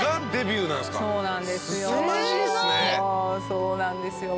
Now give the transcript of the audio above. そうなんですよ。